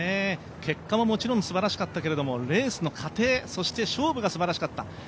結果ももちろんすばらしかったですけれども、レースの課程、勝負がすばらしかった。